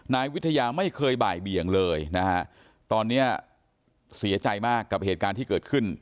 นายวิทยาไม่เคยบ่ายเบี่ยงเลยนะฮะตอนนี้เสียใจมากกับเหตุการณ์ที่เกิดขึ้น